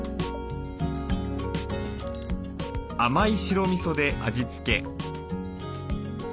甘い白みそで味付け。